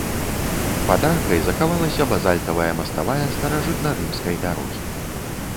Пад аркай захавалася базальтавая маставая старажытнарымскай дарогі.